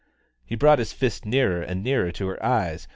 He brought his fist nearer and nearer to her eyes.